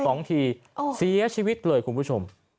สองทีเสียชีวิตเลยคุณผู้ชม